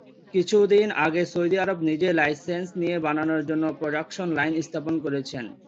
কিছুদিন আগে Saudi Arab নিজেই লাইসেন্স নিয়ে বানানোর জন্য প্রোডাকশন লাইন স্থাপন করেছে।